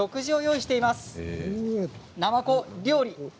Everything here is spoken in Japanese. なまこ料理。